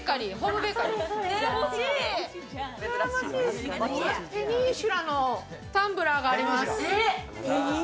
ペニンシュラのタンブラーがあります。